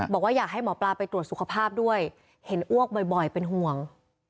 บอกว่าอยากให้หมอปลาไปตรวจสุขภาพด้วยเห็นอ้วกบ่อยเป็นห่วง